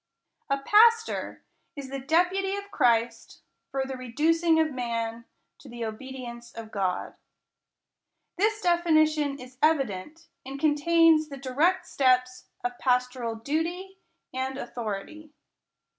A Pastor is the deputy of Christ, for the reducing of man to the ohedience of God. This definition is evi dent, and contains the dii ect steps of pastoral duty and authority.